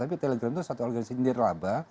tapi telegram itu suatu organisasi yang di raba